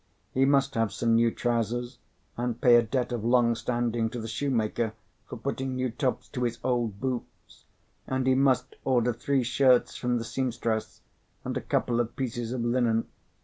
He must have some new trousers, and pay a debt of long standing to the shoemaker for putting new tops to his old boots, and he must order three shirts from the seamstress, and a couple of pieces of linen.